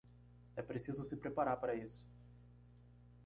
É preciso se preparar para isso.